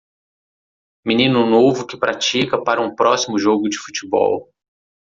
Menino novo que pratica para um próximo jogo de futebol.